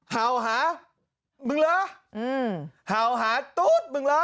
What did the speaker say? เห่าหามึงเหรอเห่าหาตู๊ดมึงเหรอ